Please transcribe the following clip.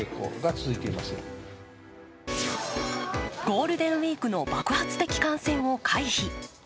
ゴールデンウイークの爆発的感染を回避。